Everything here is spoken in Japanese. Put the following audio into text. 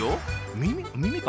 耳か？